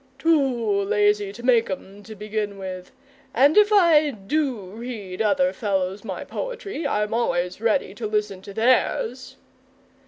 "Too lazy to make 'em, to begin with. And if I DO read other fellows my poetry, I'm always ready to listen to theirs!"